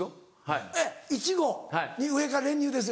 いちごに上から練乳ですよね？